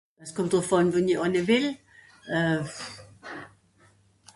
s'kòmmt dòrauf àn wòn'i ànne wìll euh